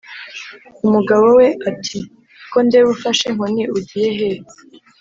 umugabo we ati: "ko ndeba ufashe inkoni ugiye hehe ?